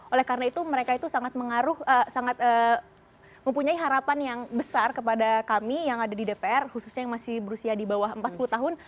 oleh karena itu mereka itu sangat mengaruh sangat mempunyai harapan yang besar kepada kami yang ada di dpr khususnya yang masih berusia di bawah empat puluh tahun